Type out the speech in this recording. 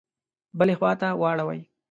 بلي خواته واړوي.